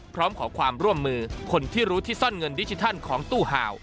พร้อมขอความร่วมมือคนที่รู้ที่ซ่อนเงินดิจิทัลของตู้ห่าว